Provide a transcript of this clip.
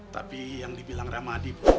tapi yang dibilang ramadhi bu